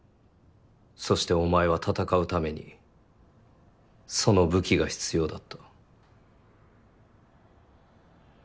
そしてお前は闘うためにその武器が必要だった。